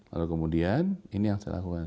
lalu kemudian ini yang saya lakukan